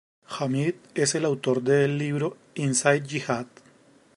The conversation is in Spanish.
Hamid es el autor del libro "Inside Jihad".